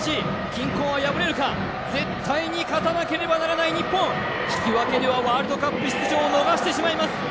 １均衡は破れるか絶対に勝たなければならない日本引き分けではワールドカップ出場を逃してしまいます